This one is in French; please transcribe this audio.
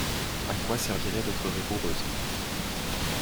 A quoi servirait d'être rigoureuse.